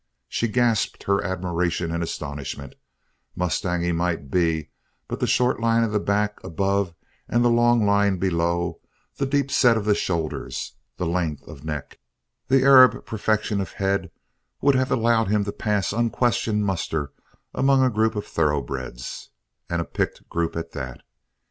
She gasped her admiration and astonishment; mustang he might be, but the short line of the back above and the long line below, the deep set of the shoulders, the length of neck, the Arab perfection of head, would have allowed him to pass unquestioned muster among a group of thoroughbreds, and a picked group at that.